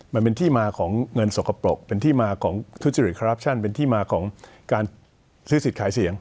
มันเป็นที่มาของเงินสกปรกเป็นที่มาของเป็นที่มาของการซื้อสิทธิ์ขายเสียง